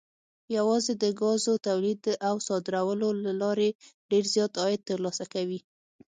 یوازې د ګازو تولید او صادرولو له لارې ډېر زیات عاید ترلاسه کوي.